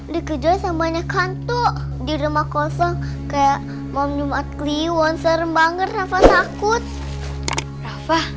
dikejolah sebanyak hantu di rumah kosong kayak mau nyumat kliwon serem banget rafa sakut rafa